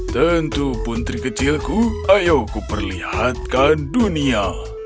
tentu putri kecilku ayo kuperlihatkan dunia